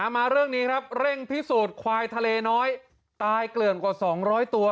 มาเรื่องนี้ครับเร่งพิสูจน์ควายทะเลน้อยตายเกลื่อนกว่า๒๐๐ตัว